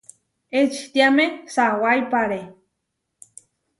Ečitiáme sawáipare.